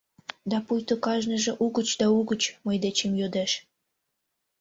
Да пуйто кажныже угыч да угыч мый дечем йодеш: